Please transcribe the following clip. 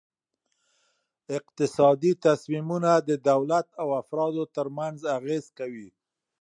اقتصادي تصمیمونه د دولت او افرادو ترمنځ اغیز کوي.